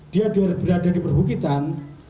dia berada di perbukitan